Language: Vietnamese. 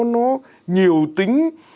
nó nhiều tính